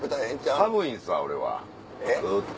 寒いんすわ俺はずっと。